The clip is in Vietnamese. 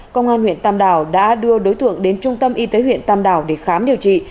công an huyện tam đảo đã đưa đối tượng đến trung tâm y tế huyện tam đảo để khám điều trị